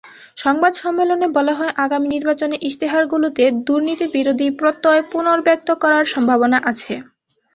সংবাদ সম্মেলনে বলা হয়, আগামী নির্বাচনে ইশতেহারগুলোতে দুর্নীতিবিরোধী প্রত্যয় পুনর্ব্যক্ত করার সম্ভাবনা আছে।